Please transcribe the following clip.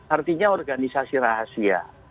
artinya organisasi rahasia